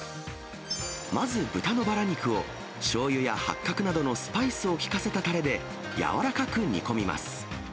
まず豚のバラ肉をしょうゆやはっかくなどのスパイスを利かせたたれで柔らかく煮込みます。